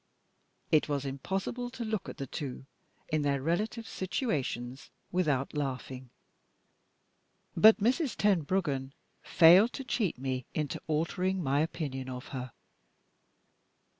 It was impossible to look at the two, in their relative situations, without laughing. But Mrs. Tenbruggen failed to cheat me into altering my opinion of her.